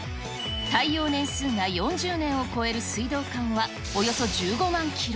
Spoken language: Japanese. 耐用年数が４０年を超える水道管はおよそ１５万キロ。